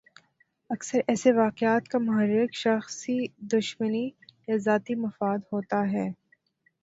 اکثر ایسے واقعات کا محرک شخصی دشمنی یا ذاتی مفاد ہوتا ہے۔